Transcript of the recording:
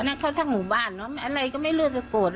อันนั้นเขาสร้างหมู่บ้านอะไรก็ไม่เลือดจะโกรธ